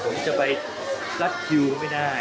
ผมจะไปรัดคิวไม่ได้